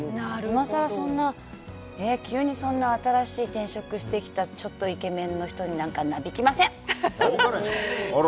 今更そんな急にそんな新しい転職してきたちょっとイケメンの人になんかなびきません！